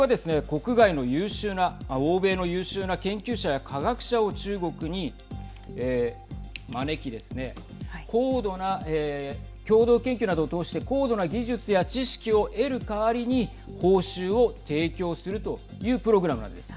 国外の優秀な欧米の優秀な研究者や科学者を中国に招きですね、高度な共同研究などを通して高度な技術や知識を得る代わりに報酬を提供するというプログラムなんです。